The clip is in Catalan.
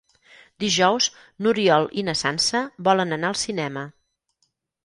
Dijous n'Oriol i na Sança volen anar al cinema.